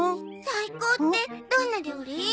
最高ってどんな料理？